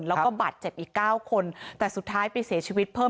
แล้วก็บาดเจ็บอีก๙คนแต่สุดท้ายไปเสียชีวิตเพิ่ม